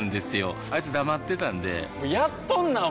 あいつ黙ってたんでやっとんなー！